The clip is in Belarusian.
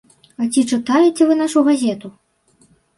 А ці чытаеце вы нашу газету?